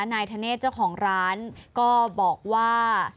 นายธเนธเจ้าของร้านก็บอกว่า